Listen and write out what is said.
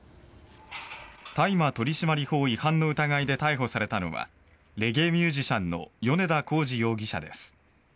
大麻取締法違反の疑いで逮捕されたのはレゲエミュージシャンの米田洪二容疑者です。